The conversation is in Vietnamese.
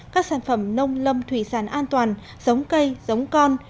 các sản phẩm nông lâm thủy sản an toàn giống cây giống con